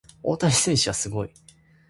大谷選手はすごい。